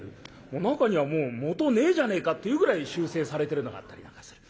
中にはもう元ねえじゃねえかっていうぐらい修整されてるのがあったりなんかする。